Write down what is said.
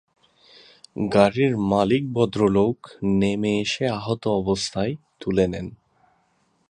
গাড়ির মালিক ভদ্রলোক নেমে এসে আহত অবস্থায় তুলে নেন।